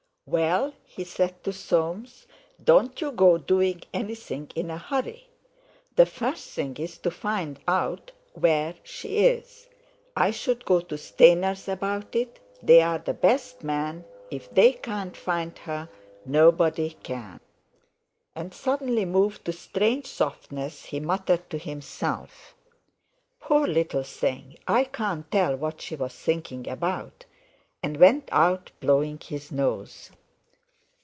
"Well," he said to Soames, "don't you go doing anything in a hurry. The first thing is to find out where she is—I should go to Stainer's about it; they're the best men, if they can't find her, nobody can." And suddenly moved to strange softness, he muttered to himself, "Poor little thing, I can't tell what she was thinking about!" and went out blowing his nose.